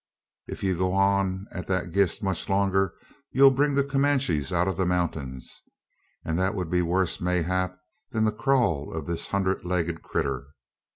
Ef you go on at that grist much longer, ye'll bring the Kumanchees out o' thur mountains, an that 'ud be wuss mayhap than the crawl o' this hunderd legged critter.